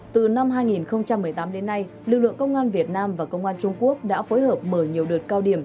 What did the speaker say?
từ năm hai nghìn một mươi tám đến nay lực lượng công an việt nam và công an trung quốc đã phối hợp mở nhiều đợt cao điểm